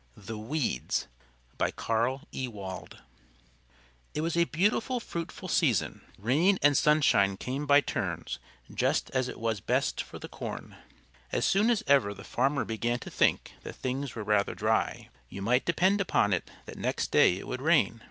THE WEEDS By Carl Ewald It was a beautiful, fruitful season. Rain and sunshine came by turns just as it was best for the corn. As soon as ever the farmer began to think that things were rather dry, you might depend upon it that next day it would rain.